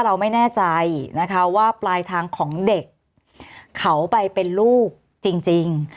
เราไม่แน่ใจนะคะว่าปลายทางของเด็กเขาไปเป็นลูกจริง